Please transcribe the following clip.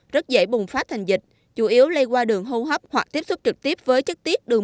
rất dễ bùng phát thành dịch chủ yếu lây qua đường hô hấp hoặc tiếp xúc trực tiếp với chất tiết đường